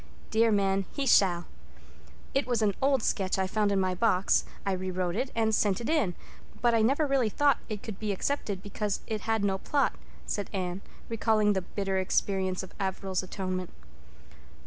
Dear man, he shall. It was an old sketch I found in my box. I re wrote it and sent it in—but I never really thought it could be accepted because it had no plot," said Anne, recalling the bitter experience of Averil's Atonement.